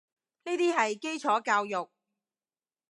呢啲係基礎教育